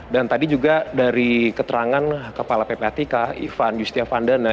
dan tadi juga dari keterangan kepala ppatk ivan yustiavandana